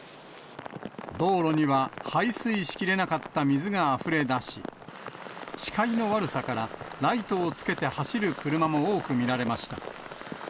道路には排水しきれなかった水があふれ出し、視界の悪さから、ライトをつけて走る車も多く見られました。